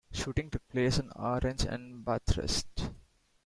Shooting took place in Orange and Bathurst.